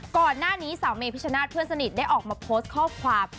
ก่อนหน้านี้สาวเมพิชนาธิเพื่อนสนิทได้ออกมาโพสต์ข้อความ